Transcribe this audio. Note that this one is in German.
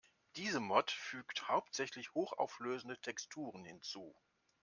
Diese Mod fügt hauptsächlich hochauflösende Texturen hinzu.